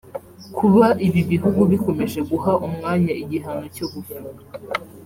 Kuba ibi bihugu bikomeje guha umwanya igihano cyo gupfa